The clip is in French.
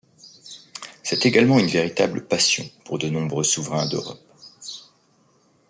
C'est également une véritable passion pour de nombreux souverains d'Europe.